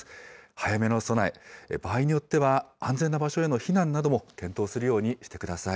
早めの備え、場合によっては、安全な場所への避難なども検討するようにしてください。